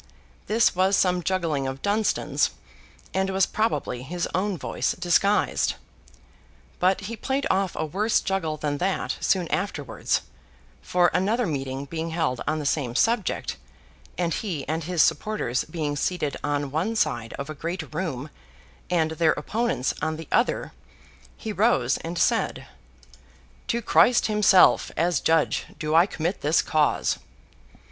This was some juggling of Dunstan's, and was probably his own voice disguised. But he played off a worse juggle than that, soon afterwards; for, another meeting being held on the same subject, and he and his supporters being seated on one side of a great room, and their opponents on the other, he rose and said, 'To Christ himself, as judge, do I commit this cause!